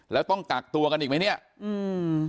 แล้วต้องกักตัวกันอีกไหมเนี้ยอืม